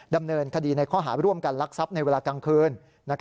ดำเนินคดีในข้อหาร่วมกันลักทรัพย์ในเวลากลางคืน